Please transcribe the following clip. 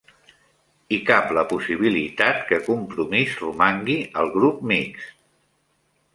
Hi cap la possibilitat que Compromís romangui al grup mixt